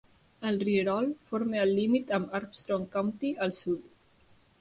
El rierol forma el límit amb Armstrong County al sud.